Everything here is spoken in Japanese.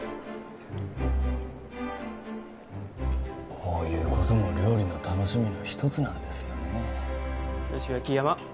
こういうことも料理の楽しみの一つなんですよねえ